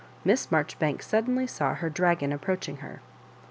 Miss Marjoribanks suddenly saw her dragon approaching her.